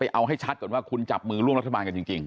เอาให้ชัดก่อนว่าคุณจับมือร่วมรัฐบาลกันจริง